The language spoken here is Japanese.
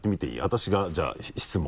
私がじゃあ質問。